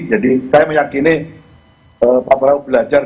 jadi saya meyakini pak prabowo belajar